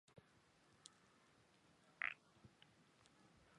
伞花寄生藤为檀香科寄生藤属下的一个种。